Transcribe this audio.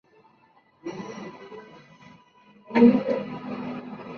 Actualmente, la mayoría de la población joven tiene ciertos conocimientos de la lengua.